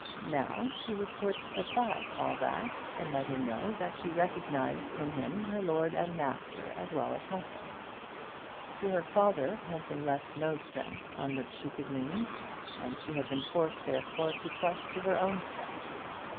Now she would put aside all that, and let him know that she recognised in him her lord and master as well as husband. To her father had been left no strength on which she could lean, and she had been forced therefore to trust to her own strength.